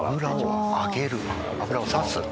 油を差す。